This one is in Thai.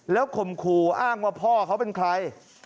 แล้วคมคูอ้างว่าพ่อเค้าเป็นใคร